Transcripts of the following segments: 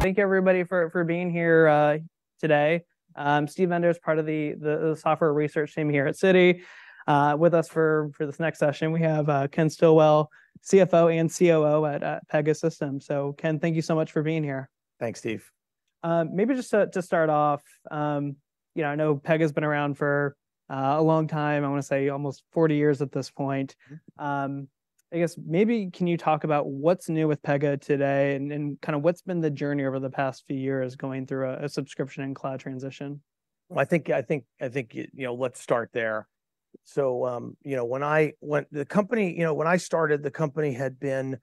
Thank you, everybody, for being here today. Steve Enders, as part of the software research team here at Citi. With us for this next session, we have Ken Stillwell, CFO and COO at Pegasystems. So, Ken, thank you so much for being here. Thanks, Steve. Maybe just to start off, you know, I know Pega's been around for a long time. I wanna say almost 40 years at this point. I guess maybe can you talk about what's new with Pega today and kind of what's been the journey over the past few years going through a subscription and cloud transition? I think, you know, let's start there. So, you know, when I started, the company had been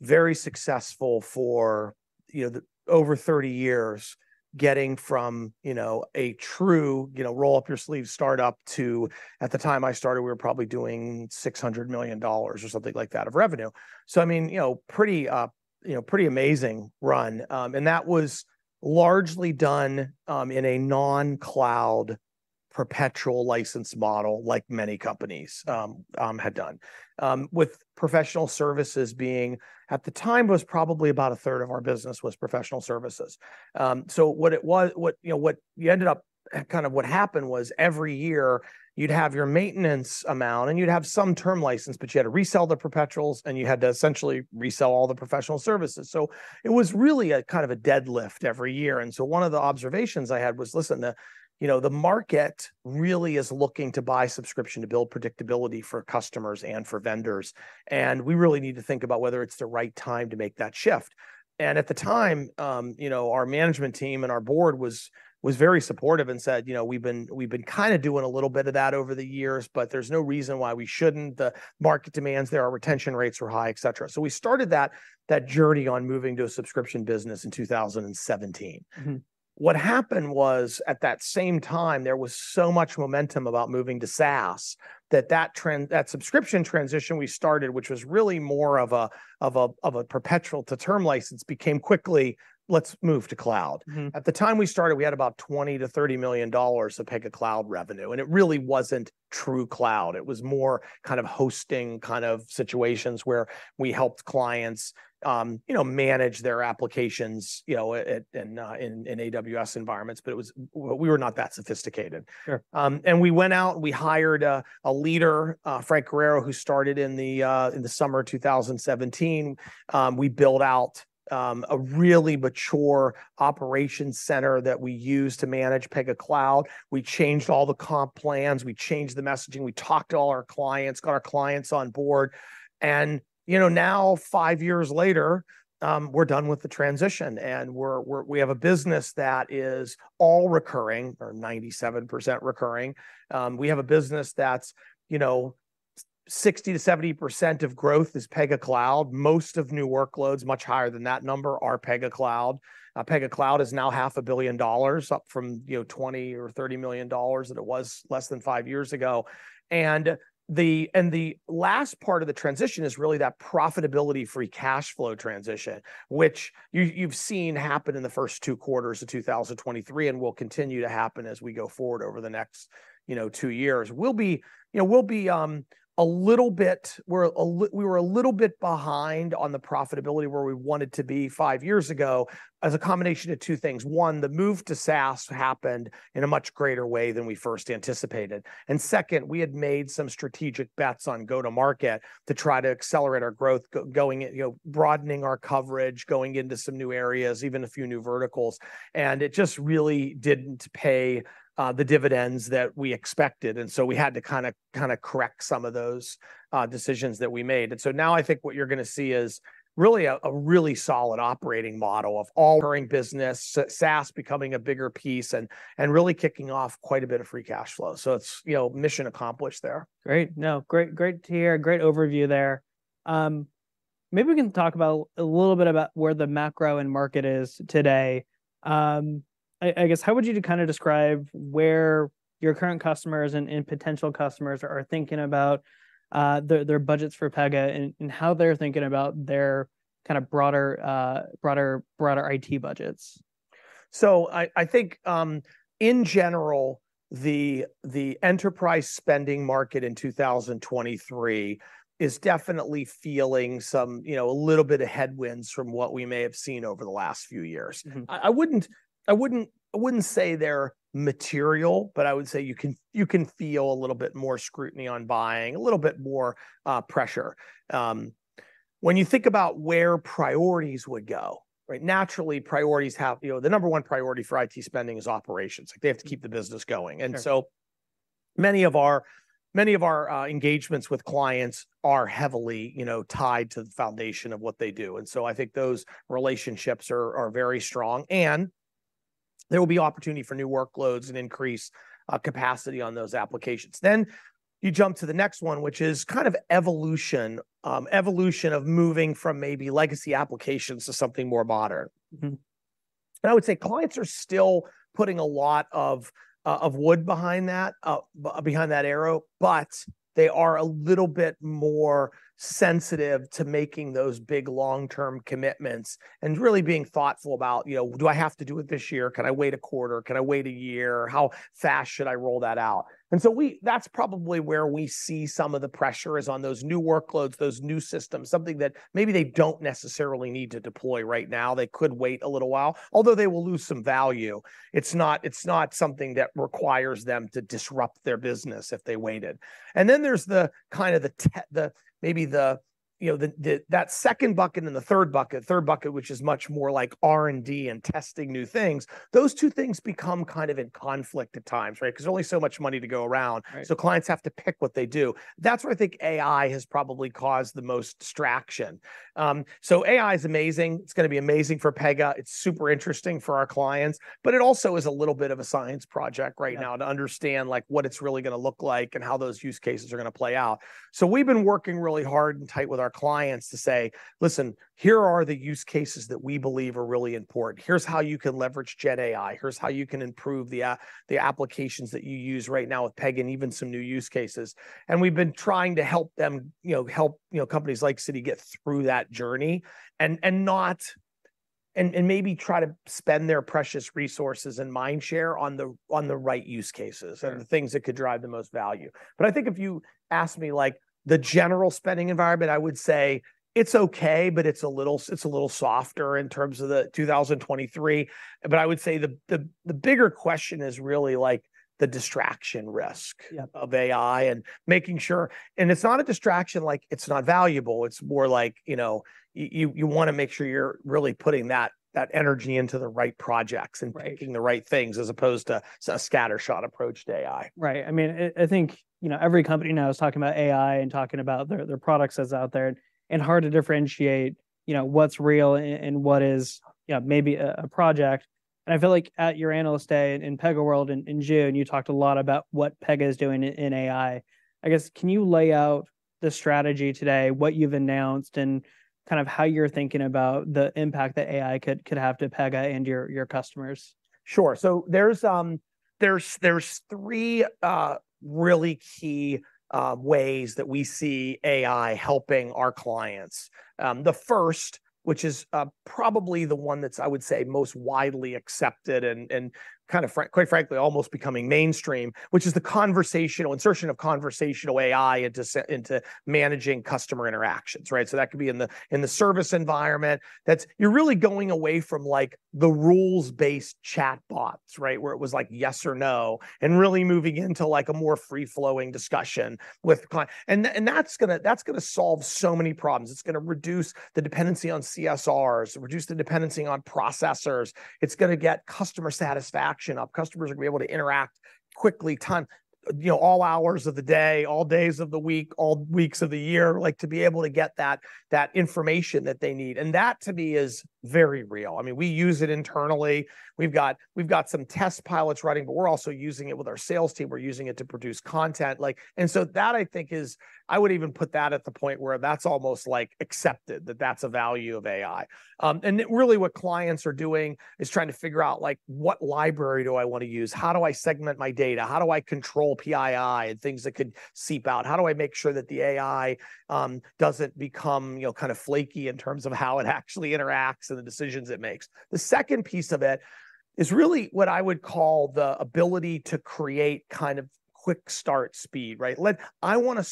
very successful for, you know, over 30 years, getting from, you know, a true, you know, roll-up-your-sleeves start-up to, at the time I started, we were probably doing $600 million or something like that, of revenue. So, I mean, you know, pretty, you know, pretty amazing run. And that was largely done in a non-cloud, perpetual license model, like many companies had done. With professional services being, at the time, was probably about a third of our business was professional services. So what it was - what, you know, what you ended up... Kind of what happened was, every year you'd have your maintenance amount, and you'd have some term license, but you had to resell the perpetuals, and you had to essentially resell all the professional services. So it was really a kind of a deadlift every year. And so one of the observations I had was, "Listen, the, you know, the market really is looking to buy subscription to build predictability for customers and for vendors, and we really need to think about whether it's the right time to make that shift." And at the time, you know, our management team and our board was very supportive and said: "You know, we've been kinda doing a little bit of that over the years, but there's no reason why we shouldn't. The market demands, there are retention rates were high, et cetera." So we started that journey on moving to a subscription business in 2017. Mm-hmm. What happened was, at that same time, there was so much momentum about moving to SaaS, that trend, that subscription transition we started, which was really more of a perpetual to term license, became quickly, "Let's move to cloud. Mm-hmm. At the time we started, we had about $20 million-$30 million of Pega Cloud revenue, and it really wasn't true cloud. It was more kind of hosting kind of situations, where we helped clients, you know, manage their applications, you know, at, in AWS environments, but we were not that sophisticated. Sure. We went out, and we hired a leader, Frank Guerrera, who started in the summer of 2017. We built out a really mature operations center that we use to manage Pega Cloud. We changed all the comp plans, we changed the messaging, we talked to all our clients, got our clients on board. And, you know, now, five years later, we're done with the transition, and we have a business that is all recurring, or 97% recurring. We have a business that's, you know, 60%-70% of growth is Pega Cloud. Most of new workloads, much higher than that number, are Pega Cloud. Pega Cloud is now $500 million, up from, you know, $20 million or $30 million that it was less than five years ago. And the last part of the transition is really that profitability, free cash flow transition, which you've seen happen in the first two quarters of 2023 and will continue to happen as we go forward over the next, you know, two years. You know, we were a little bit behind on the profitability where we wanted to be five years ago, as a combination of two things. One, the move to SaaS happened in a much greater way than we first anticipated. And second, we had made some strategic bets on go-to-market to try to accelerate our growth, going, you know, broadening our coverage, going into some new areas, even a few new verticals. And it just really didn't pay the dividends that we expected, and so we had to kind of correct some of those decisions that we made. And so now I think what you're gonna see is really a really solid operating model of all recurring business, SaaS becoming a bigger piece, and really kicking off quite a bit of free cash flow. So it's, you know, mission accomplished there. Great! No, great, great to hear. Great overview there. Maybe we can talk about... a little bit about where the macro and market is today. I guess, how would you kind of describe where your current customers and potential customers are thinking about their budgets for Pega and how they're thinking about their kind of broader broader IT budgets? So I think, in general, the enterprise spending market in 2023 is definitely feeling some, you know, a little bit of headwinds from what we may have seen over the last few years. Mm-hmm. I wouldn't say they're material, but I would say you can feel a little bit more scrutiny on buying, a little bit more pressure. When you think about where priorities would go, right? Naturally, priorities have... You know, the number one priority for IT spending is operations. Like, they have to keep the business going. Sure. And so many of our engagements with clients are heavily, you know, tied to the foundation of what they do. And so I think those relationships are very strong, and there will be opportunity for new workloads and increase capacity on those applications. Then, you jump to the next one, which is kind of evolution of moving from maybe legacy applications to something more modern. Mm-hmm. And I would say clients are still putting a lot of, of wood behind that, behind that arrow, but they are a little bit more sensitive to making those big, long-term commitments and really being thoughtful about, you know, "Do I have to do it this year? Can I wait a quarter? Can I wait a year? How fast should I roll that out?" And so that's probably where we see some of the pressure is on those new workloads, those new systems, something that maybe they don't necessarily need to deploy right now. They could wait a little while, although they will lose some value. It's not, it's not something that requires them to disrupt their business if they waited. And then, there's the kind of the, maybe the-... You know, that second bucket and the third bucket, which is much more like R&D and testing new things, those two things become kind of in conflict at times, right? 'Cause there's only so much money to go around. Right. Clients have to pick what they do. That's where I think AI has probably caused the most distraction. AI is amazing. It's gonna be amazing for Pega. It's super interesting for our clients, but it also is a little bit of a science project right now. Yeah... to understand, like, what it's really gonna look like and how those use cases are gonna play out. So we've been working really hard and tight with our clients to say, "Listen, here are the use cases that we believe are really important. Here's how you can leverage GenAI. Here's how you can improve the applications that you use right now with Pega, and even some new use cases." And we've been trying to help them, you know, companies like Citi get through that journey. And maybe try to spend their precious resources and mind share on the right use cases- Sure... and the things that could drive the most value. But I think if you ask me, like, the general spending environment, I would say it's okay, but it's a little softer in terms of 2023. But I would say the bigger question is really, like, the distraction risk- Yeah ...of AI and making sure... It's not a distraction, like it's not valuable. It's more like, you know, you wanna make sure you're really putting that energy into the right projects- Right... and picking the right things, as opposed to a scattershot approach to AI. Right. I mean, I think, you know, every company now is talking about AI and talking about their products that's out there, and hard to differentiate, you know, what's real and what is, yeah, maybe a project. I feel like at your Analyst Day in PegaWorld in June, you talked a lot about what Pega is doing in AI. I guess, can you lay out the strategy today, what you've announced, and kind of how you're thinking about the impact that AI could have to Pega and your customers? Sure. So there's three really key ways that we see AI helping our clients. The first, which is probably the one that's, I would say, most widely accepted and kind of quite frankly, almost becoming mainstream, which is the insertion of conversational AI into managing customer interactions, right? So that could be in the service environment. That's... You're really going away from, like, the rules-based chatbots, right? Where it was like yes or no, and really moving into, like, a more free-flowing discussion with clients and that's gonna solve so many problems. It's gonna reduce the dependency on CSRs, reduce the dependency on processors. It's gonna get customer satisfaction up. Customers are gonna be able to interact quickly, you know, all hours of the day, all days of the week, all weeks of the year, like, to be able to get that, that information that they need. And that, to me, is very real. I mean, we use it internally. We've got, we've got some test pilots running, but we're also using it with our sales team. We're using it to produce content, like... And so that, I think, is... I would even put that at the point where that's almost, like, accepted, that that's a value of AI. And really, what clients are doing is trying to figure out, like, what library do I want to use? How do I segment my data? How do I control PII and things that could seep out? How do I make sure that the AI doesn't become, you know, kind of flaky in terms of how it actually interacts and the decisions it makes? The second piece of it is really what I would call the ability to create kind of quick start speed, right? I wanna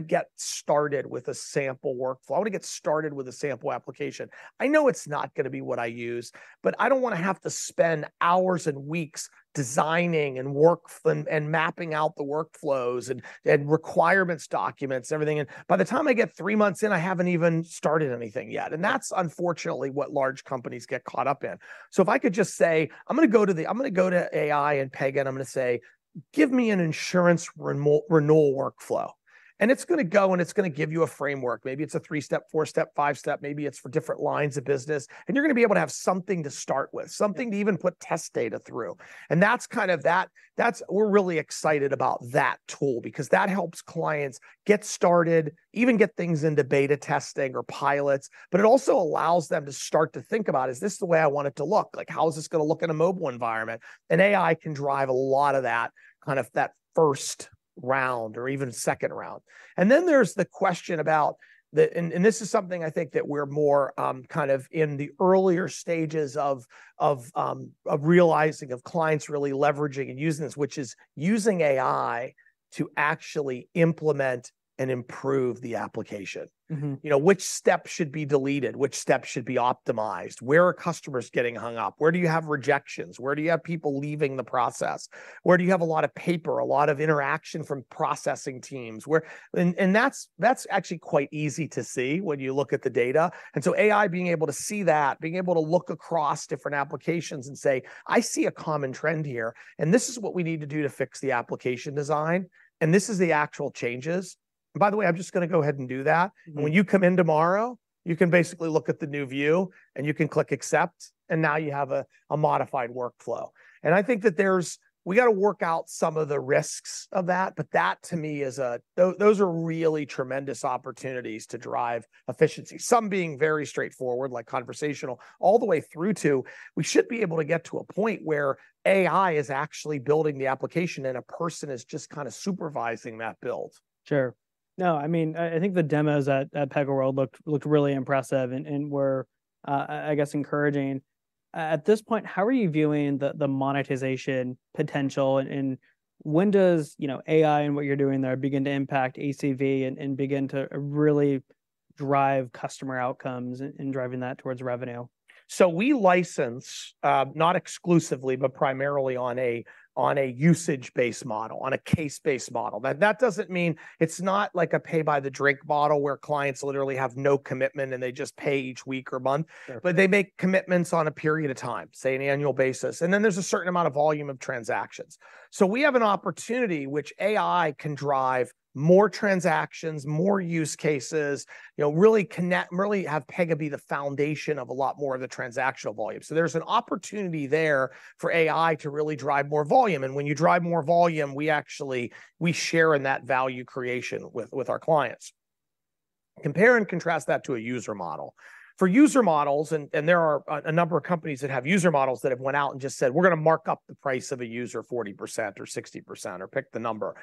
get started with a sample workflow. I wanna get started with a sample application. I know it's not gonna be what I use, but I don't wanna have to spend hours and weeks designing and workflow and mapping out the workflows and requirements documents, everything, and by the time I get three months in, I haven't even started anything yet, and that's unfortunately what large companies get caught up in. So if I could just say, "I'm gonna go to AI and Pega," and I'm gonna say, "Give me an insurance renewal workflow." And it's gonna go, and it's gonna give you a framework. Maybe it's a three-step, four-step, five-step, maybe it's for different lines of business, and you're gonna be able to have something to start with, something to even put test data through. And that's kind of... That's, that's, we're really excited about that tool because that helps clients get started, even get things into beta testing or pilots. But it also allows them to start to think about, "Is this the way I want it to look? Like, how is this gonna look in a mobile environment?" And AI can drive a lot of that, kind of that first round or even second round. And then there's the question about the... This is something I think that we're more kind of in the earlier stages of realizing clients really leveraging and using this, which is using AI to actually implement and improve the application. Mm-hmm. You know, which steps should be deleted? Which steps should be optimized? Where are customers getting hung up? Where do you have rejections? Where do you have people leaving the process? Where do you have a lot of paper, a lot of interaction from processing teams? Where... and that's actually quite easy to see when you look at the data. So AI, being able to see that, being able to look across different applications and say, "I see a common trend here, and this is what we need to do to fix the application design, and this is the actual changes. And by the way, I'm just gonna go ahead and do that. Mm. When you come in tomorrow, you can basically look at the new view, and you can click Accept, and now you have a modified workflow." I think that there's... We gotta work out some of the risks of that, but that, to me, is those are really tremendous opportunities to drive efficiency. Some being very straightforward, like conversational, all the way through to, we should be able to get to a point where AI is actually building the application, and a person is just kind of supervising that build. Sure. No, I mean, I think the demos at PegaWorld looked really impressive and were, I guess, encouraging. At this point, how are you viewing the monetization potential, and when does, you know, AI and what you're doing there begin to impact ACV and begin to really drive customer outcomes and driving that towards revenue? So we license, not exclusively, but primarily on a usage-based model, on a case-based model. That doesn't mean it's not like a pay by the drink model, where clients literally have no commitment, and they just pay each week or month. Sure. But they make commitments on a period of time, say, an annual basis, and then there's a certain amount of volume of transactions. So we have an opportunity, which AI can drive more transactions, more use cases, you know, really connect, really have Pega be the foundation of a lot more of the transactional volume. So there's an opportunity there for AI to really drive more volume, and when you drive more volume, we actually... We share in that value creation with our clients. Compare and contrast that to a user model. For user models, and there are a number of companies that have user models, that have went out and just said, "We're gonna mark up the price of a user 40% or 60%" or pick the number.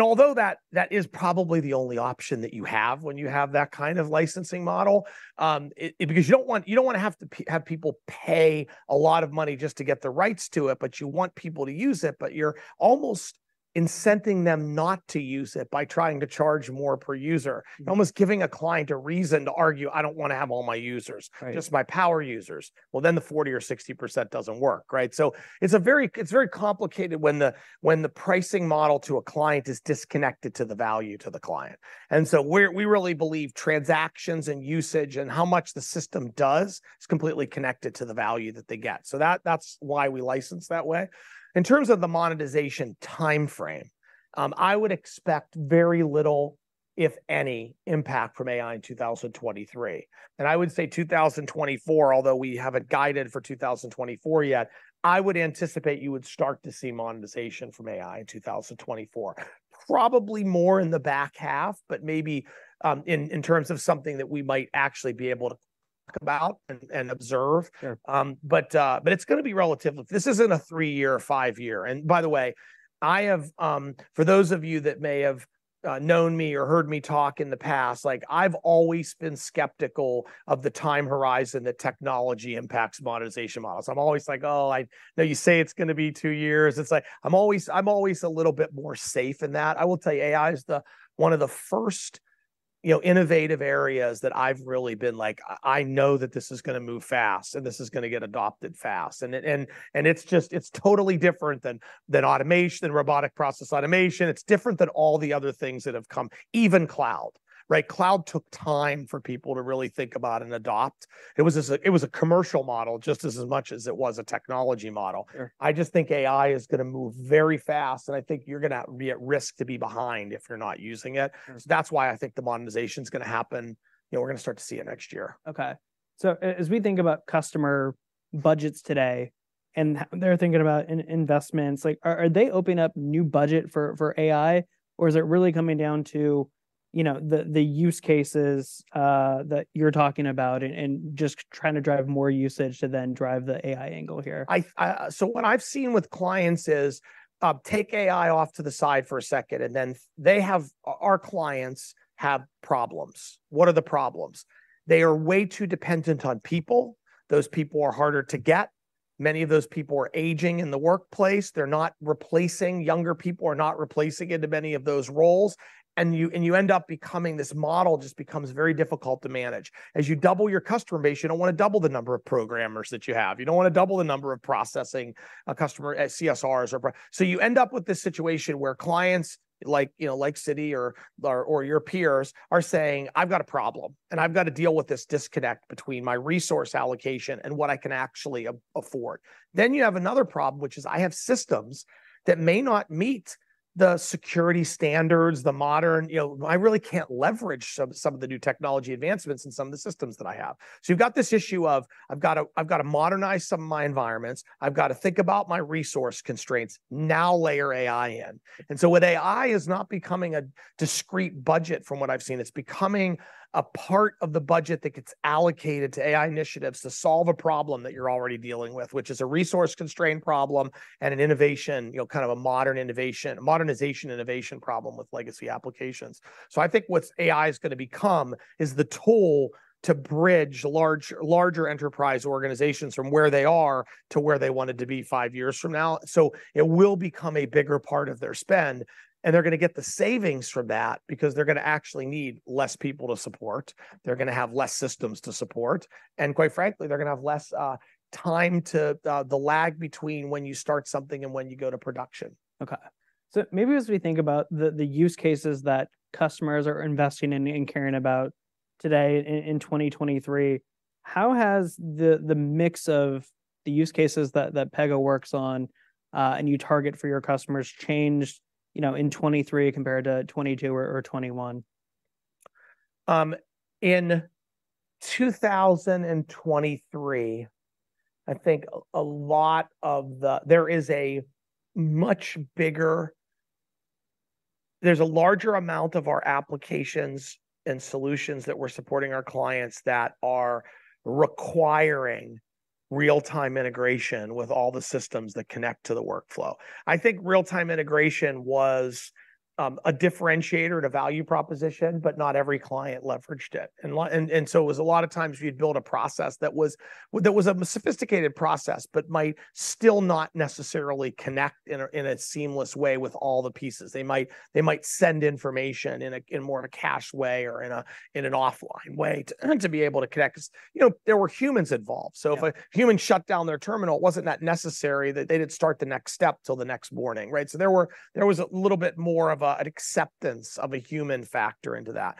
Although that is probably the only option that you have when you have that kind of licensing model, because you don't want... You don't wanna have to have people pay a lot of money just to get the rights to it, but you want people to use it. But you're almost incenting them not to use it by trying to charge more per user. Mm. Almost giving a client a reason to argue, "I don't want to have all my users- Right. just my power users." Well, then the 40% or 60% doesn't work, right? So it's very complicated when the pricing model to a client is disconnected to the value to the client. And so we really believe transactions and usage and how much the system does is completely connected to the value that they get. So that's why we license that way. In terms of the monetization timeframe, I would expect very little, if any, impact from AI in 2023. And I would say 2024, although we haven't guided for 2024 yet, I would anticipate you would start to see monetization from AI in 2024. Probably more in the back half, but maybe in terms of something that we might actually be able to talk about and observe. Sure. But it's gonna be relatively—this isn't a three-year or five-year. By the way, I have... For those of you that may have known me or heard me talk in the past, like, I've always been skeptical of the time horizon that technology impacts monetization models. I'm always like, "Oh, I—now you say it's gonna be two years." It's like, I'm always, I'm always a little bit more safe in that. I will tell you, AI is the, one of the first, you know, innovative areas that I've really been like, "I, I know that this is gonna move fast, and this is gonna get adopted fast." And it's just, it's totally different than, than automation, robotic process automation. It's different than all the other things that have come, even cloud, right? Cloud took time for people to really think about and adopt. It was a commercial model just as much as it was a technology model. Sure. I just think AI is gonna move very fast, and I think you're gonna be at risk to be behind if you're not using it. Sure. So that's why I think the monetization's gonna happen. You know, we're gonna start to see it next year. Okay. So as we think about customer budgets today, and they're thinking about investments, like, are, are they opening up new budget for, for AI, or is it really coming down to, you know, the, the use cases, that you're talking about and, and just trying to drive more usage to then drive the AI angle here? So what I've seen with clients is, take AI off to the side for a second, and then they have... Our clients have problems. What are the problems? They are way too dependent on people. Those people are harder to get. Many of those people are aging in the workplace. They're not replacing... Younger people are not replacing into many of those roles, and you end up this model just becomes very difficult to manage. As you double your customer base, you don't wanna double the number of programmers that you have. You don't wanna double the number of processing customer CSRs or so you end up with this situation where clients like, you know, like Citi or your peers are saying, "I've got a problem, and I've got to deal with this disconnect between my resource allocation and what I can actually afford." Then you have another problem, which is, "I have systems that may not meet the security standards, the modern... You know, I really can't leverage some of the new technology advancements in some of the systems that I have." So you've got this issue of, "I've gotta, I've gotta modernize some of my environments. I've got to think about my resource constraints." Now layer AI in. And so with AI, it's not becoming a discrete budget, from what I've seen. It's becoming a part of the budget that gets allocated to AI initiatives to solve a problem that you're already dealing with, which is a resource-constraint problem and an innovation, you know, kind of a modern innovation- modernization innovation problem with legacy applications. So I think what's AI is gonna become is the tool to bridge large- larger enterprise organizations from where they are to where they wanted to be five years from now. So it will become a bigger part of their spend, and they're gonna get the savings from that because they're gonna actually need less people to support. They're gonna have less systems to support, and quite frankly, they're gonna have less time to the lag between when you start something and when you go to production. Okay. So maybe as we think about the use cases that customers are investing in and caring about today in 2023, how has the mix of the use cases that Pega works on and you target for your customers changed, you know, in 2023 compared to 2022 or 2021? In 2023, I think a lot of the... There's a larger amount of our applications and solutions that we're supporting our clients that are requiring real-time integration with all the systems that connect to the workflow. I think real-time integration was a differentiator and a value proposition, but not every client leveraged it. And so it was a lot of times you'd build a process that was a sophisticated process, but might still not necessarily connect in a seamless way with all the pieces. They might send information in more of a cache way or in an offline way to be able to connect, 'cause, you know, there were humans involved. Yeah. So if a human shut down their terminal, it wasn't that necessary, that they didn't start the next step till the next morning, right? So there was a little bit more of an acceptance of a human factor into that.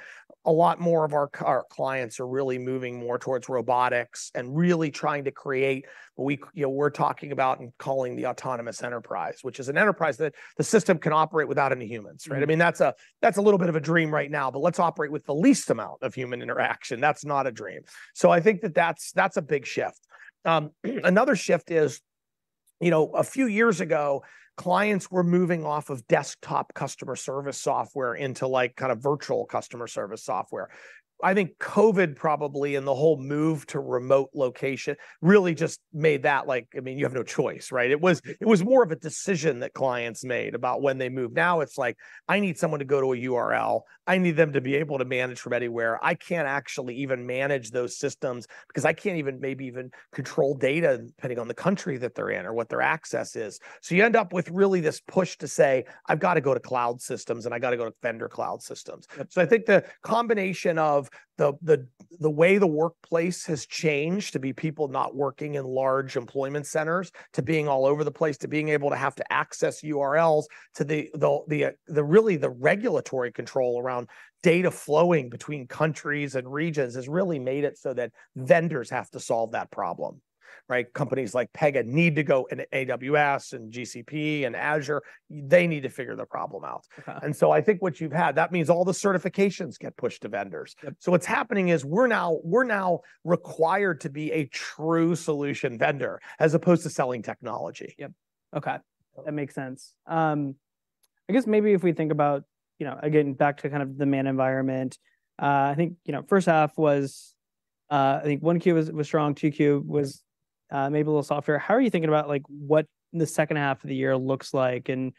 A lot more of our clients are really moving more towards robotics and really trying to create what we, you know, we're talking about and calling the autonomous enterprise, which is an enterprise that the system can operate without any humans, right? Mm. I mean, that's a, that's a little bit of a dream right now, but let's operate with the least amount of human interaction. That's not a dream. So I think that that's, that's a big shift. Another shift is, you know, a few years ago, clients were moving off of desktop customer service software into, like, kind of virtual customer service software. I think COVID probably and the whole move to remote location really just made that, like... I mean, you have no choice, right? Yeah. It was, it was more of a decision that clients made about when they move. Now, it's like, "I need someone to go to a URL. I need them to be able to manage from anywhere. I can't actually even manage those systems because I can't even maybe even control data, depending on the country that they're in or what their access is." So you end up with really this push to say, "I've got to go to cloud systems, and I've got to go to vendor cloud systems. Yep. So I think the combination of the way the workplace has changed to be people not working in large employment centers, to being all over the place, to being able to have to access URLs, to the really regulatory control around data flowing between countries and regions, has really made it so that vendors have to solve that problem, right? Companies like Pega need to go into AWS, and GCP, and Azure. They need to figure the problem out. Uh-huh. And so I think what you've had, that means all the certifications get pushed to vendors. Yep. What's happening is we're now required to be a true solution vendor, as opposed to selling technology. Yep. Okay, that makes sense. I guess maybe if we think about, you know, again, back to kind of the main environment, I think, you know, first half was... I think Q1 was strong, Q2 was maybe a little softer. How are you thinking about, like, what the second half of the year looks like and,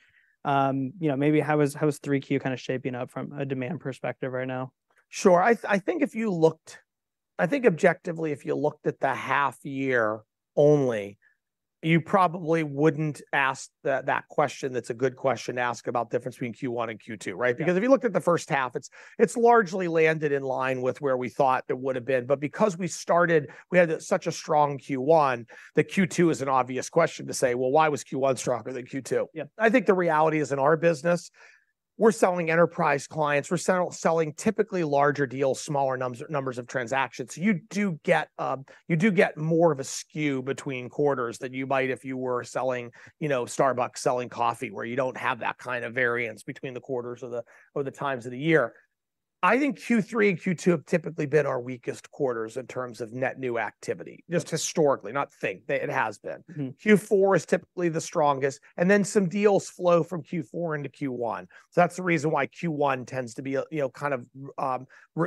you know, maybe how is 3Q kind of shaping up from a demand perspective right now? Sure. I think if you looked... I think objectively, if you looked at the half year only, you probably wouldn't ask that question. That's a good question to ask about the difference between Q1 and Q2, right? Yeah. Because if you looked at the first half, it's largely landed in line with where we thought it would've been. But because we had such a strong Q1, the Q2 is an obvious question to say, "Well, why was Q1 stronger than Q2? Yeah. I think the reality is, in our business, we're selling enterprise clients. We're selling typically larger deals, smaller numbers of transactions. So you do get more of a skew between quarters than you might if you were selling, you know, Starbucks selling coffee, where you don't have that kind of variance between the quarters or the times of the year. I think Q3 and Q2 have typically been our weakest quarters in terms of net new activity- Yeah... just historically, not think, but it has been. Mm-hmm. Q4 is typically the strongest, and then some deals flow from Q4 into Q1. So that's the reason why Q1 tends to be a, you know, kind of,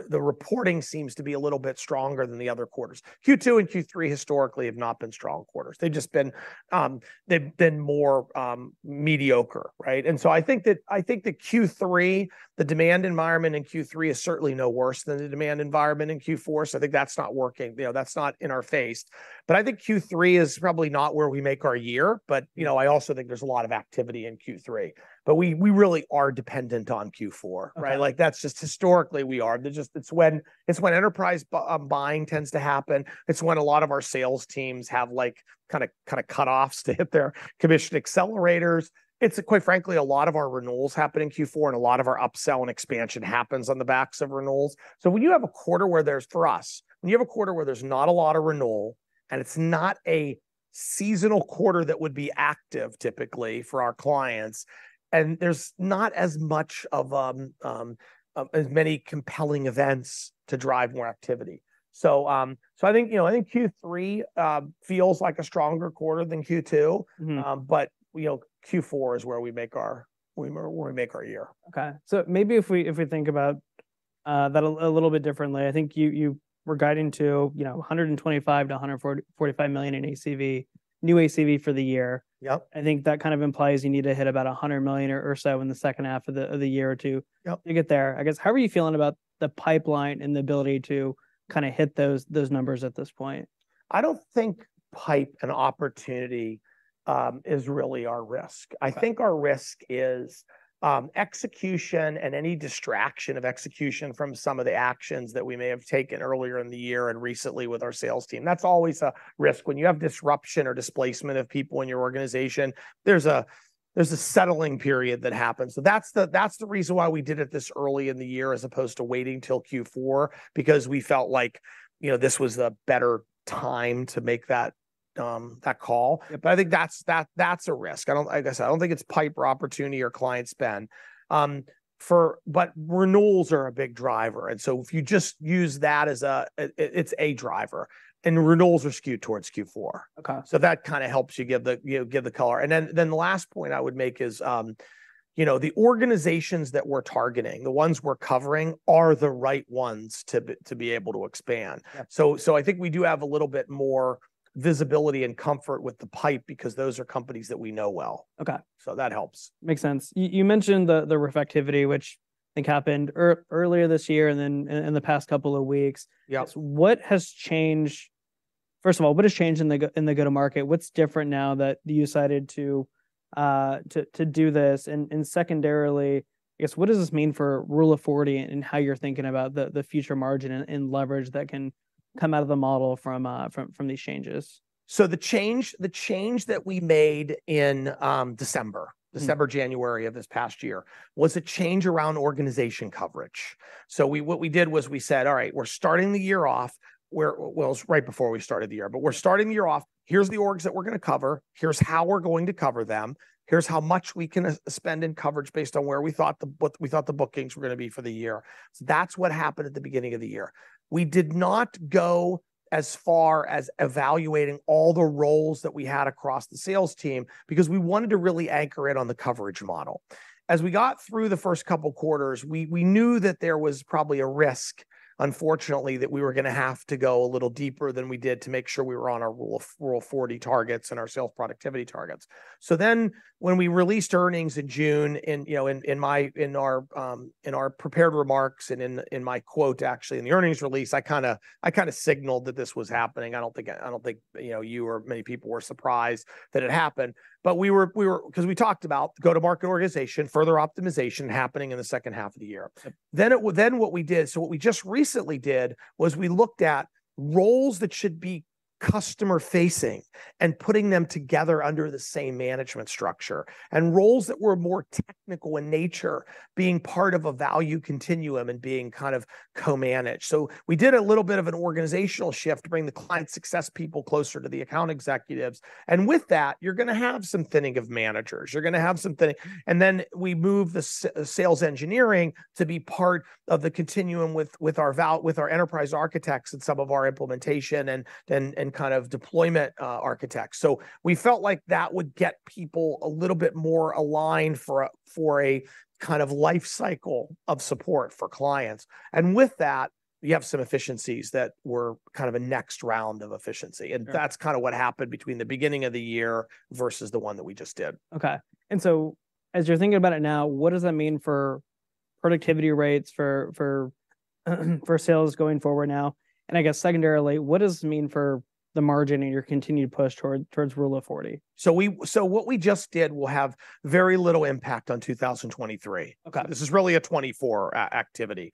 the reporting seems to be a little bit stronger than the other quarters. Q2 and Q3 historically have not been strong quarters. They've just been, they've been more, mediocre, right? And so I think that, I think that Q3, the demand environment in Q3 is certainly no worse than the demand environment in Q4. So I think that's not working. You know, that's not in our face. But I think Q3 is probably not where we make our year. But, you know, I also think there's a lot of activity in Q3. But we, we really are dependent on Q4- Okay.... right? Like, that's just historically we are. They're just—it's when, it's when enterprise buying tends to happen. It's when a lot of our sales teams have, like, kind of, kind of cutoffs to hit their commission accelerators. It's, quite frankly, a lot of our renewals happen in Q4, and a lot of our upsell and expansion happens on the backs of renewals. So when you have a quarter where there's... For us, when you have a quarter where there's not a lot of renewal, and it's not a seasonal quarter that would be active, typically, for our clients, and there's not as much of, as many compelling events to drive more activity. So, so I think, you know, I think Q3 feels like a stronger quarter than Q2. Mm-hmm. But, you know, Q4 is where we make our year. Okay. So maybe if we think about that a little bit differently, I think you were guiding to, you know, $125 million-$145 million in ACV, new ACV for the year. Yep. I think that kind of implies you need to hit about $100 million or so in the second half of the year or two- Yep... to get there. I guess, how are you feeling about the pipeline and the ability to kind of hit those, those numbers at this point? I don't think pipeline and opportunity is really our risk. Okay. I think our risk is execution and any distraction of execution from some of the actions that we may have taken earlier in the year and recently with our sales team. That's always a risk. When you have disruption or displacement of people in your organization, there's a settling period that happens. So that's the reason why we did it this early in the year, as opposed to waiting till Q4, because we felt like, you know, this was the better time to make that call. Yep. But I think that's a risk. I don't, like I said, I don't think it's pipe or opportunity or client spend. But renewals are a big driver, and so if you just use that as a it's a driver, and renewals are skewed towards Q4. Okay. So that kind of helps you give the, you know, give the color. And then the last point I would make is, you know, the organizations that we're targeting, the ones we're covering, are the right ones to be able to expand. Yep. So, I think we do have a little bit more visibility and comfort with the pipe because those are companies that we know well. Okay. So that helps. Makes sense. You mentioned the RIF activity, which I think happened earlier this year, and then in the past couple of weeks. Yep. What has changed... First of all, what has changed in the go-to-market? What's different now that you decided to do this? And secondarily, I guess, what does this mean for Rule of 40 and how you're thinking about the future margin and leverage that can come out of the model from these changes? The change that we made in December- Mm. December, January of this past year, was a change around organization coverage. So what we did was we said, "All right, we're starting the year off..." Well, it was right before we started the year. "But we're starting the year off. Here's the orgs that we're gonna cover. Here's how we're going to cover them. Here's how much we can spend in coverage," based on where we thought what we thought the bookings were gonna be for the year. So that's what happened at the beginning of the year. We did not go as far as evaluating all the roles that we had across the sales team, because we wanted to really anchor in on the coverage model. As we got through the first couple quarters, we knew that there was probably a risk, unfortunately, that we were gonna have to go a little deeper than we did to make sure we were on our Rule of 40 targets and our sales productivity targets. So then, when we released earnings in June, you know, in our prepared remarks and in my quote actually in the earnings release, I kind of signaled that this was happening. I don't think, you know, you or many people were surprised that it happened. But we were 'cause we talked about go-to-market organization, further optimization happening in the second half of the year. Yep. Then what we did, so what we just recently did, was we looked at roles that should be customer-facing and putting them together under the same management structure, and roles that were more technical in nature being part of a value continuum and being kind of co-managed. So we did a little bit of an organizational shift to bring the client success people closer to the account executives. And with that, you're gonna have some thinning of managers, you're gonna have some thinning. And then we moved the sales engineering to be part of the continuum with our enterprise architects and some of our implementation, and kind of deployment architects. So we felt like that would get people a little bit more aligned for a kind of life cycle of support for clients. With that, you have some efficiencies that were kind of a next round of efficiency. Sure. That's kind of what happened between the beginning of the year versus the one that we just did. Okay. So as you're thinking about it now, what does that mean for productivity rates for sales going forward now? And I guess secondarily, what does this mean for the margin and your continued push towards Rule of 40? So what we just did will have very little impact on 2023. Okay. This is really a 2024 activity.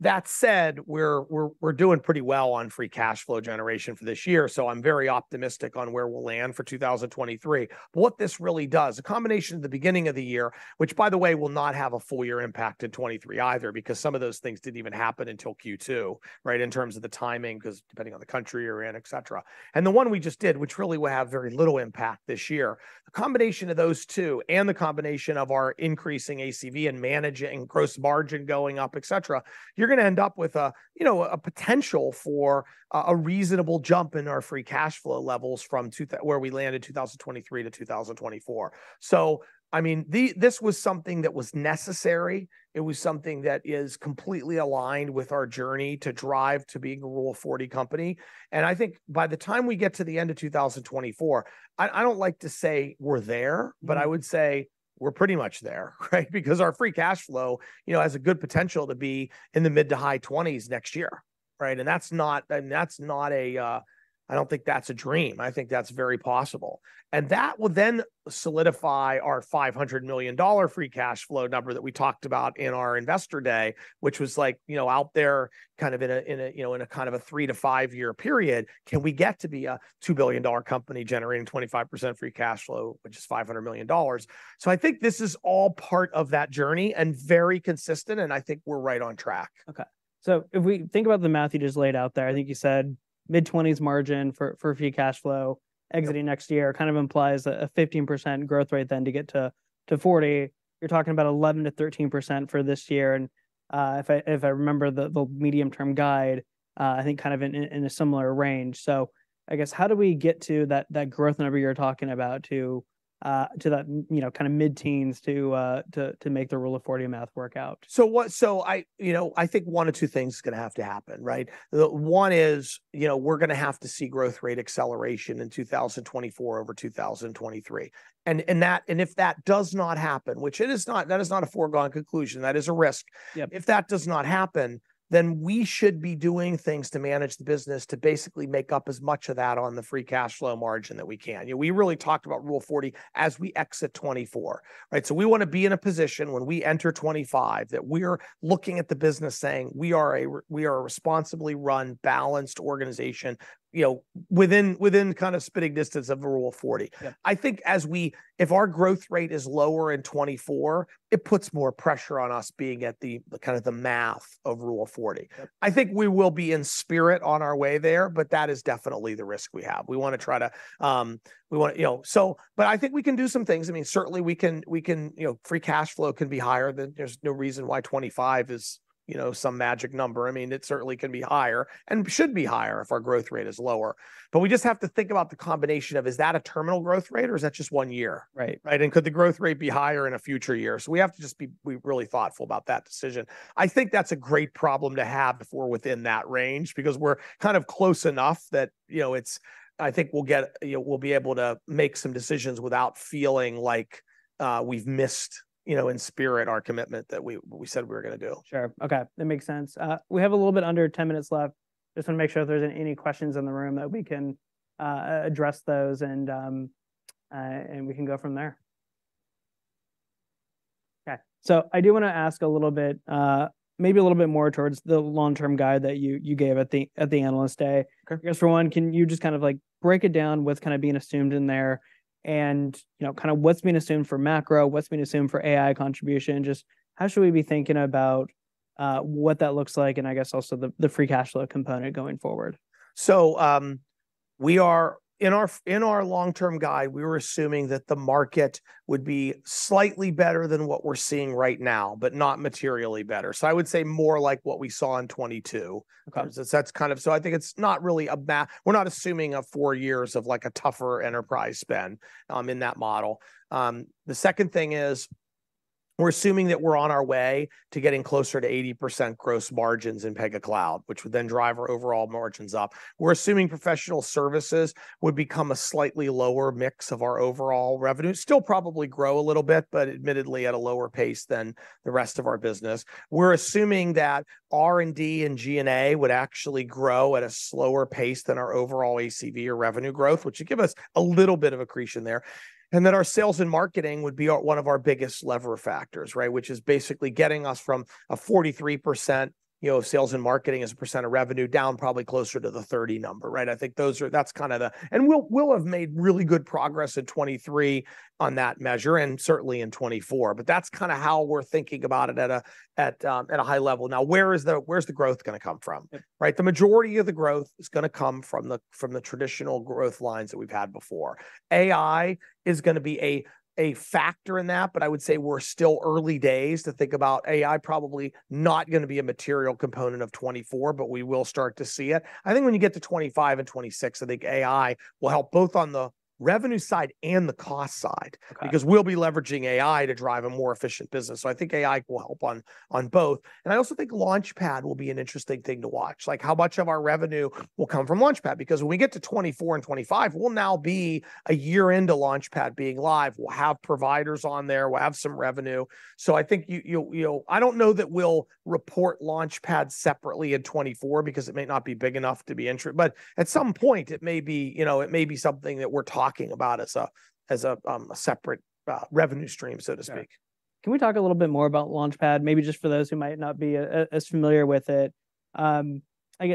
That said, we're doing pretty well on free cash flow generation for this year, so I'm very optimistic on where we'll land for 2023. But what this really does, a combination of the beginning of the year, which by the way, will not have a full year impact in 2023 either, because some of those things didn't even happen until Q2, right? In terms of the timing, 'cause depending on the country you're in, et cetera. And the one we just did, which really will have very little impact this year. The combination of those two and the combination of our increasing ACV and managing gross margin going up, et cetera, you're gonna end up with a, you know, a potential for a reasonable jump in our free cash flow levels from 2023, where we landed, to 2024. So I mean, this was something that was necessary. It was something that is completely aligned with our journey to drive to being a Rule of 40 company. And I think by the time we get to the end of 2024, I don't like to say we're there- Mm... but I would say we're pretty much there, right? Because our free cash flow, you know, has a good potential to be in the mid- to high-20s next year, right? And that's not, and that's not a, I don't think that's a dream. I think that's very possible. And that will then solidify our $500 million free cash flow number that we talked about in our Investor Day, which was like, you know, out there kind of in a, in a, you know, in a kind of a 3- to 5-year period. Can we get to be a $2 billion company generating 25% free cash flow, which is $500 million? So I think this is all part of that journey, and very consistent, and I think we're right on track. Okay. So if we think about the math you just laid out there, I think you said mid-20s margin for free cash flow- Yep... exiting next year, kind of implies a 15% growth rate then to get to 40. You're talking about 11%-13% for this year. If I remember the medium-term guide, I think kind of in a similar range. So I guess, how do we get to that growth number you're talking about to that, you know, kind of mid-teens to make the Rule of 40 math work out? So I, you know, I think one of two things is gonna have to happen, right? The one is, you know, we're gonna have to see growth rate acceleration in 2024 over 2023. And if that does not happen, which it is not, that is not a foregone conclusion, that is a risk. Yep. If that does not happen, then we should be doing things to manage the business to basically make up as much of that on the free cash flow margin that we can. You know, we really talked about Rule of 40 as we exit 2024, right? So we wanna be in a position when we enter 2025, that we're looking at the business saying, "We are a responsibly run, balanced organization," you know, within, within kind of spitting distance of the Rule of 40. Yeah. I think as we if our growth rate is lower in 2024, it puts more pressure on us being at the kind of math of Rule of 40. Yep. I think we will be, in spirit, on our way there, but that is definitely the risk we have. We wanna try to. We wanna, you know? So but I think we can do some things. I mean, certainly, we can, we can, you know, free cash flow can be higher than. There's no reason why 25 is, you know, some magic number. I mean, it certainly can be higher, and should be higher if our growth rate is lower. But we just have to think about the combination of, is that a terminal growth rate, or is that just one year, right? Right, and could the growth rate be higher in a future year? So we have to just be really thoughtful about that decision. I think that's a great problem to have if we're within that range, because we're kind of close enough that, you know, it's... I think we'll get, you know, we'll be able to make some decisions without feeling like we've missed, you know, in spirit, our commitment that we said we were gonna do. Sure. Okay, that makes sense. We have a little bit under 10 minutes left... Just want to make sure if there's any questions in the room, that we can address those, and we can go from there. Okay, so I do want to ask a little bit, maybe a little bit more towards the long-term guide that you gave at the analyst day. I guess, for one, can you just kind of like break it down, what's kind of being assumed in there? And, you know, kind of what's being assumed for macro, what's being assumed for AI contribution? Just how should we be thinking about what that looks like, and I guess, also the free cash flow component going forward? In our long-term guide, we were assuming that the market would be slightly better than what we're seeing right now, but not materially better. I would say more like what we saw in 2022. Okay. So I think it's not really, we're not assuming four years of, like, a tougher enterprise spend in that model. The second thing is, we're assuming that we're on our way to getting closer to 80% gross margins in Pega Cloud, which would then drive our overall margins up. We're assuming professional services would become a slightly lower mix of our overall revenue. Still probably grow a little bit, but admittedly, at a lower pace than the rest of our business. We're assuming that R&D and G&A would actually grow at a slower pace than our overall ACV or revenue growth, which would give us a little bit of accretion there. And then, our sales and marketing would be one of our biggest lever factors, right? Which is basically getting us from a 43%, you know, of sales and marketing as a percent of revenue, down probably closer to the 30 number, right? I think that's kind of the... And we'll have made really good progress at 2023 on that measure, and certainly in 2024. But that's kind of how we're thinking about it at a high level. Now, where's the growth gonna come from? Yeah. Right? The majority of the growth is gonna come from the, from the traditional growth lines that we've had before. AI is gonna be a, a factor in that, but I would say we're still early days to think about AI. Probably not gonna be a material component of 2024, but we will start to see it. I think when you get to 2025 and 2026, I think AI will help both on the revenue side and the cost side- Okay. Because we'll be leveraging AI to drive a more efficient business. So I think AI will help on both. And I also think Launchpad will be an interesting thing to watch. Like, how much of our revenue will come from Launchpad? Because when we get to 2024 and 2025, we'll now be a year into Launchpad being live. We'll have providers on there. We'll have some revenue. So I think you know... I don't know that we'll report Launchpad separately in 2024 because it may not be big enough to be but at some point it may be, you know, it may be something that we're talking about as a separate revenue stream, so to speak. Got it. Can we talk a little bit more about Launchpad? Maybe just for those who might not be as familiar with it. I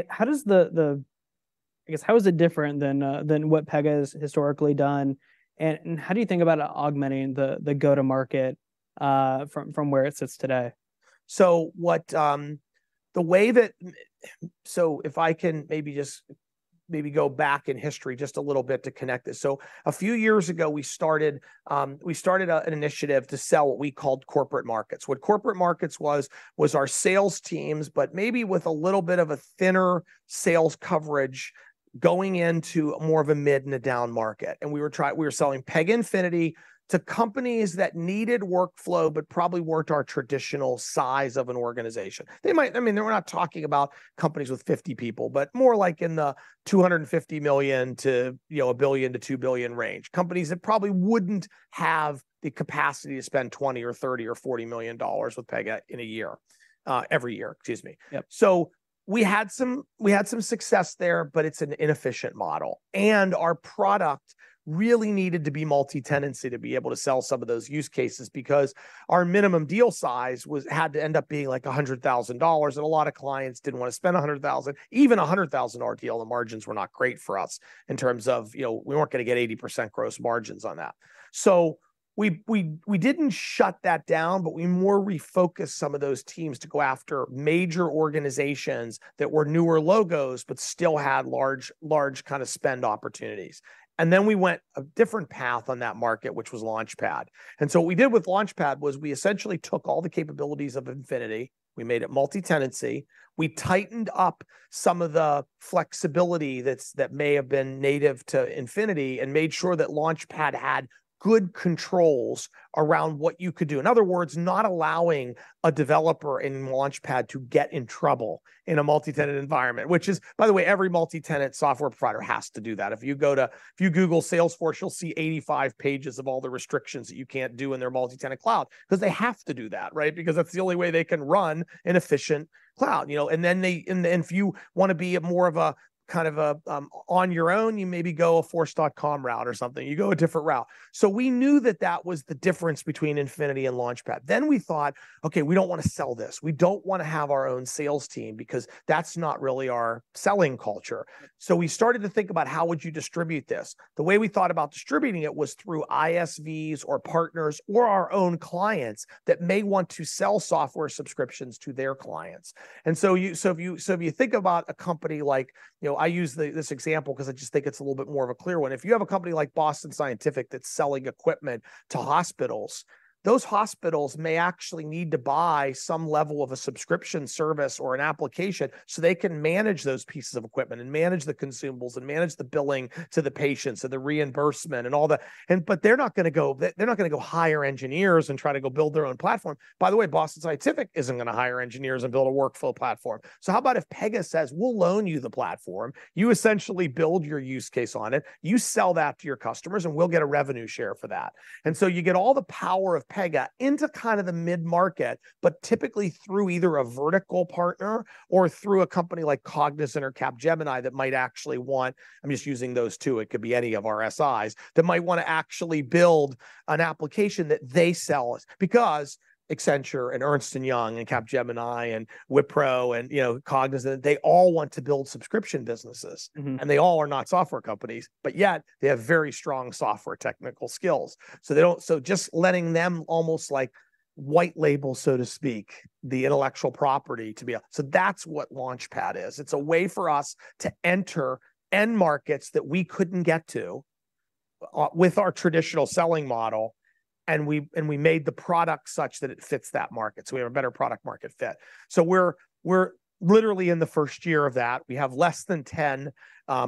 guess, how is it different than what Pega has historically done, and how do you think about it augmenting the go-to-market, from where it sits today? So if I can maybe just maybe go back in history just a little bit to connect this. So a few years ago, we started an initiative to sell what we called corporate markets. What corporate markets was, was our sales teams, but maybe with a little bit of a thinner sales coverage going into more of a mid and a down market, and we were selling Pega Infinity to companies that needed workflow, but probably weren't our traditional size of an organization. They might—I mean, we're not talking about companies with 50 people, but more like in the $250 million-$2 billion range. Companies that probably wouldn't have the capacity to spend $20 million, $30 million, or $40 million with Pega in a year, every year, excuse me. Yep. So we had some success there, but it's an inefficient model, and our product really needed to be multi-tenancy to be able to sell some of those use cases because our minimum deal size had to end up being, like, $100,000, and a lot of clients didn't want to spend $100,000. Even a $100,000 deal, the margins were not great for us in terms of, you know, we weren't gonna get 80% gross margins on that. So we didn't shut that down, but we more refocused some of those teams to go after major organizations that were newer logos, but still had large, large kind of spend opportunities. And then, we went a different path on that market, which was Launchpad. And so what we did with Launchpad was we essentially took all the capabilities of Infinity. We made it multi-tenancy. We tightened up some of the flexibility that's that may have been native to Infinity and made sure that Launchpad had good controls around what you could do. In other words, not allowing a developer in Launchpad to get in trouble in a multi-tenant environment, which is, by the way, every multi-tenant software provider has to do that. If you Google Salesforce, you'll see 85 pages of all the restrictions that you can't do in their multi-tenant cloud. 'Cause they have to do that, right? Because that's the only way they can run an efficient cloud, you know. And then they... And if you wanna be a more of a, kind of a, on your own, you maybe go a Force.com route or something. You go a different route. So we knew that that was the difference between Infinity and Launchpad. Then we thought, "Okay, we don't want to sell this. We don't want to have our own sales team because that's not really our selling culture. Mm-hmm. So we started to think about, how would you distribute this? The way we thought about distributing it was through ISVs or partners or our own clients that may want to sell software subscriptions to their clients. And so if you think about a company like, you know, I use this example 'cause I just think it's a little bit more of a clear one. If you have a company like Boston Scientific that's selling equipment to hospitals, those hospitals may actually need to buy some level of a subscription service or an application, so they can manage those pieces of equipment and manage the consumables and manage the billing to the patients, and the reimbursement, and all that. But they're not gonna go hire engineers and try to go build their own platform. By the way, Boston Scientific isn't gonna hire engineers and build a workflow platform. So how about if Pega says, "We'll loan you the platform. You essentially build your use case on it. You sell that to your customers, and we'll get a revenue share for that"? And so you get all the power of Pega into kind of the mid-market, but typically through either a vertical partner or through a company like Cognizant or Capgemini, that might actually want... I'm just using those two, it could be any of our SIs, that might wanna actually build an application that they sell. Because Accenture, and Ernst & Young, and Capgemini, and Wipro and, you know, Cognizant, they all want to build subscription businesses. Mm-hmm. They all are not software companies, but yet they have very strong software technical skills, so just letting them almost, like, white label, so to speak, the intellectual property to be a... So that's what Launchpad is. It's a way for us to enter end markets that we couldn't get to with our traditional selling model, and we, and we made the product such that it fits that market, so we have a better product market fit. So we're, we're literally in the first year of that. We have less than 10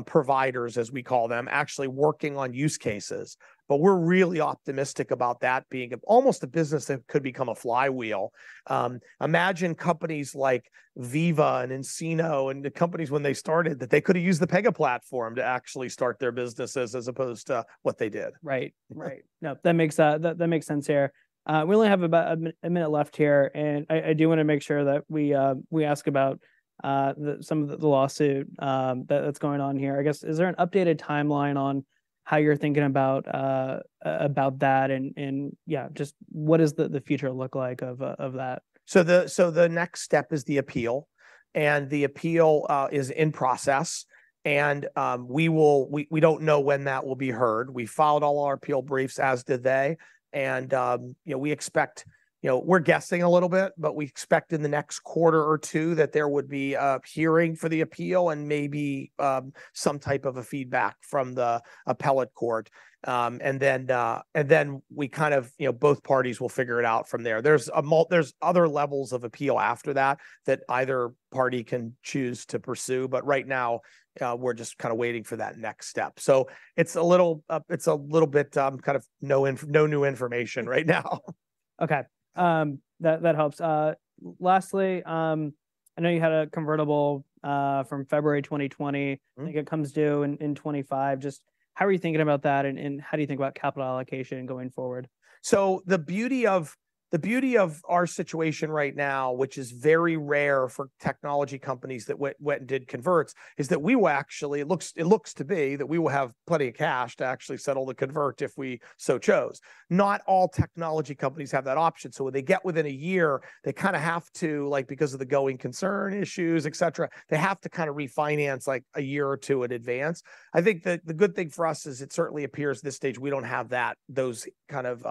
providers, as we call them, actually working on use cases. But we're really optimistic about that being almost a business that could become a flywheel. Imagine companies like Veeva and nCino, and the companies when they started, that they could've used the Pega Platform to actually start their businesses as opposed to what they did. Right. Right. No, that makes sense here. We only have about a minute left here, and I do wanna make sure that we ask about some of the lawsuit that's going on here. I guess, is there an updated timeline on how you're thinking about that, and yeah, just what does the future look like of that? So the next step is the appeal, and the appeal is in process. We don't know when that will be heard. We filed all our appeal briefs, as did they, and you know, we expect. You know, we're guessing a little bit, but we expect in the next quarter or two that there would be a hearing for the appeal and maybe some type of a feedback from the appellate court. And then we kind of, you know, both parties will figure it out from there. There's other levels of appeal after that, that either party can choose to pursue, but right now, we're just kinda waiting for that next step. So it's a little bit kind of no new information right now. Okay, that helps. Lastly, I know you had a convertible from February 2020. Mm-hmm. I think it comes due in 2025. Just how are you thinking about that, and how do you think about capital allocation going forward? So the beauty of, the beauty of our situation right now, which is very rare for technology companies that went, went and did converts, is that we will actually... It looks, it looks to be that we will have plenty of cash to actually settle the convert if we so chose. Not all technology companies have that option, so when they get within a year, they kinda have to, like, because of the going concern issues, et cetera, they have to kind of refinance, like, a year or two in advance. I think the, the good thing for us is it certainly appears at this stage we don't have that, those kind of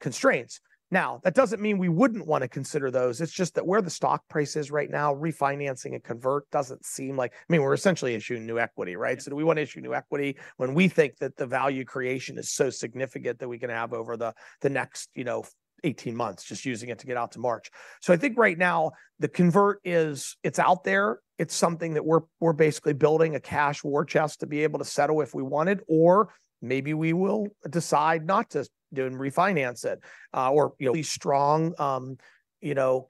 constraints. Now, that doesn't mean we wouldn't wanna consider those. It's just that where the stock price is right now, refinancing a convert doesn't seem like... I mean, we're essentially issuing new equity, right? Yeah. So do we wanna issue new equity when we think that the value creation is so significant that we can have over the next, you know, 18 months, just using it to get out to March? So I think right now the convert is, it's out there. It's something that we're basically building a cash war chest to be able to settle if we wanted, or maybe we will decide not to do and refinance it. Or, you know, be strong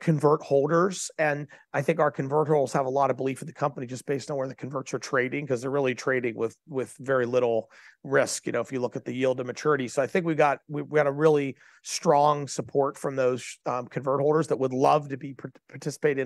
convert holders, and I think our convert holders have a lot of belief in the company just based on where the converts are trading, 'cause they're really trading with very little risk, you know, if you look at the yield to maturity. So I think we got a really strong support from those convert holders that would love to participate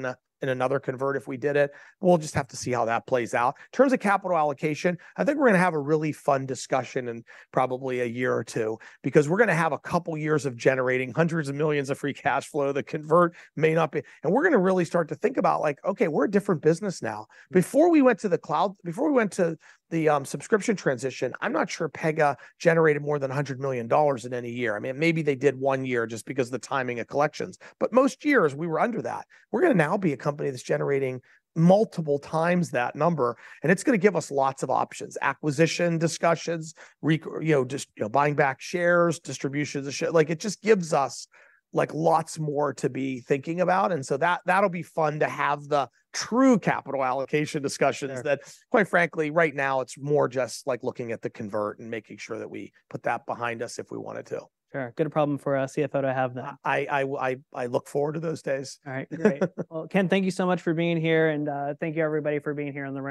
in another convert if we did it. We'll just have to see how that plays out. In terms of capital allocation, I think we're gonna have a really fun discussion in probably a year or two, because we're gonna have a couple years of generating $hundreds of millions of free cash flow. The convert may not be... And we're gonna really start to think about, like, "Okay, we're a different business now. Mm. Before we went to the cloud—before we went to the subscription transition, I'm not sure Pega generated more than $100 million in any year. I mean, maybe they did one year just because of the timing of collections. But most years, we were under that. We're gonna now be a company that's generating multiple times that number, and it's gonna give us lots of options, acquisition discussions, re—you know, just, you know, buying back shares, distributions of sh—like, it just gives us, like, lots more to be thinking about. And so that, that'll be fun to have the true capital allocation discussions— Sure... that, quite frankly, right now it's more just, like, looking at the convert and making sure that we put that behind us if we wanted to. Sure. Good problem for our CFO to have, though. I look forward to those days. All right, great. Well, Ken, thank you so much for being here, and thank you everybody for being here on the round.